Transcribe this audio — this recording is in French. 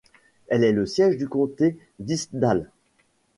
Elle est le siège du comté d'Hillsdale.